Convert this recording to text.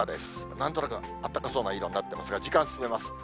なんとなくあったかそうな色になってますが、時間進めます。